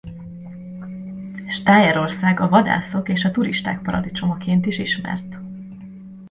Stájerország a vadászok és a turisták paradicsomaként is ismert.